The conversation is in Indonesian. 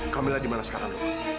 kamila dimana sekarang